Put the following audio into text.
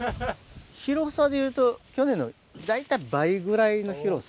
広さでいうと去年の大体倍ぐらいの広さ。